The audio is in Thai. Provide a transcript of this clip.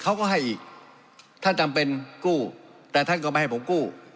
เขาก็ให้อีกท่านจำเป็นกู้แต่ท่านก็ไม่ให้ผมกู้